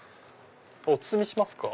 お包みしますか？